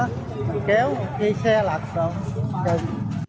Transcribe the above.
mình kéo khi xe lạch rồi thì từng